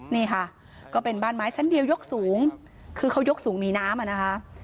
นี่ค่ะก็เป็นบ้านไม้ชั้นเดียวยกสูงคือเขายกสูงหนีน้ำอ่ะนะคะ